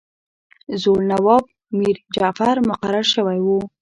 زوړ نواب میرجعفر مقرر شوی وو.